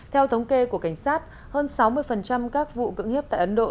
theo thống kê của cảnh sát hơn sáu mươi các vụ cưỡng hiếp tại ấn độ